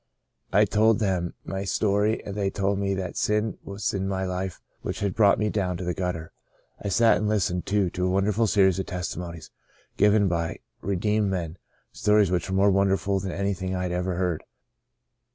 I told them my story and they told me that sin was in my life which had brought me down to the gutter. I sat and listened, too, to a wonderful series of testimonies, given by redeemed men — stories which were more wonderful than any thing I had ever heard.